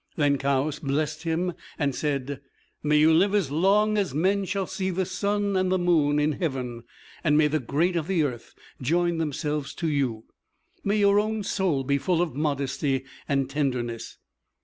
Then Kaoüs blessed him, and said: "May you live as long as men shall see the sun and the moon in heaven! May the great of the earth join themselves to you! May your own soul be full of modesty and tenderness!"